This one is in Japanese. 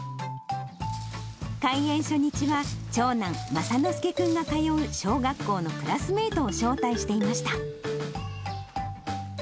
開園初日は、長男、雅之介君が通う小学校のクラスメートを招待していました。